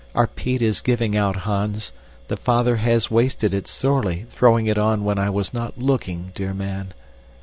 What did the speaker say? Our peat is giving out, Hans. The father has wasted it sorely, throwing it on when I was not looking, dear man."